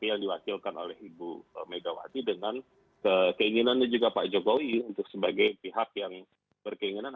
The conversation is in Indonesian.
yang diwakilkan oleh ibu megawati dengan keinginannya juga pak jokowi untuk sebagai pihak yang berkeinginan